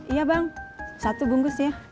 iya bang satu bungkus ya